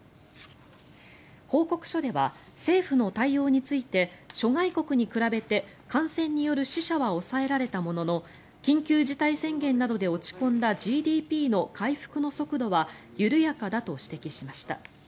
報告書では政府の対応について諸外国に比べて感染による死者は抑えられたものの緊急事態宣言などで落ち込んだＧＤＰの回復の速度は緩やかだと指摘しました。